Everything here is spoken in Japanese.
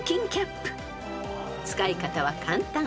［使い方は簡単］